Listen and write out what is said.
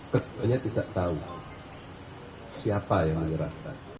ketua nya tidak tahu siapa yang menyerahkan